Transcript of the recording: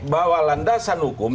bahwa landasan hukum